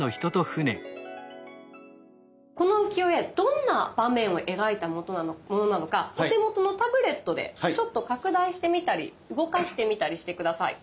この浮世絵どんな場面を描いたものなのかお手元のタブレットでちょっと拡大してみたり動かしてみたりして下さい。